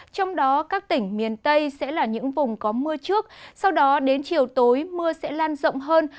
trong đó các tỉnh miền tây sẽ là những vùng có mưa trước sau đó đến chiều tối mưa sẽ lan rộng hơn